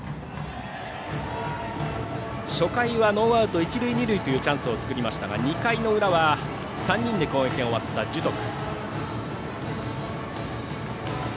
初回は、ノーアウト一塁二塁というチャンスでしたが２回の裏は３人で攻撃が終わった樹徳。